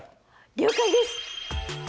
了解です！